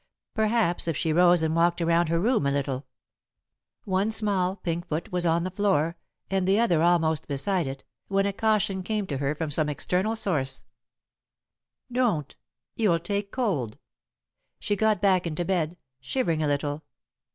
Perhaps, if she rose and walked around her room a little One small, pink foot was on the floor, and the other almost beside it, when a caution came to her from some external source: "Don't. You'll take cold." She got back into bed, shivering a little.